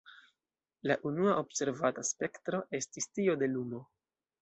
La unua observata spektro estis tio de lumo.